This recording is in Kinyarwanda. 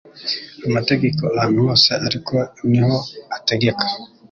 Amategeko ahantu hose ariko niho ategeka